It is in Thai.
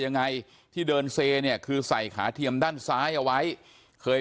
ยังไงที่เดินเซเนี่ยคือใส่ขาเทียมด้านซ้ายเอาไว้เคย